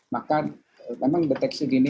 maka memang deteksi dini